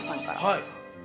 はい。